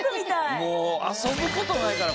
もう遊ぶ事ないから。